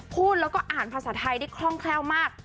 พูดแล้วก็อ่านภาษาไทยได้คล่องแคล่วมาก